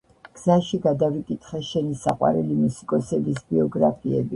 გზაში გადავიკითხე შენი საყვარელი მუსიკოსების ბიოგრაფიები.